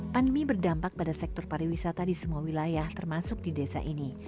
pandemi berdampak pada sektor pariwisata di semua wilayah termasuk di desa ini